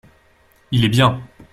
Il est bien.